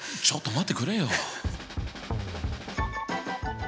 ちょっと待ってくれよ。